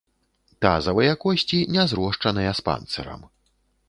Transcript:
Тазавыя косці не зрошчаныя з панцырам.